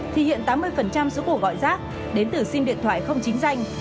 thì hiện tám mươi số cổ gọi giác đến từ sim điện thoại không chính danh